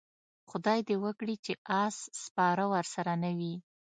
خدای دې وکړي چې اس سپاره ورسره نه وي.